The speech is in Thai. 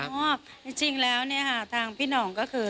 ครับจริงแล้วนี่ค่ะทางพี่น้องก็คือ